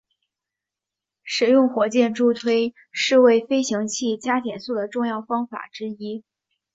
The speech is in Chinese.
使用火箭助推是为飞行器加减速的重要方法之一。